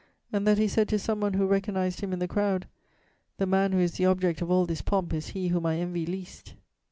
and that he said to some one who recognised him in the crowd: "The man who is the object of all this pomp is he whom I envy least?"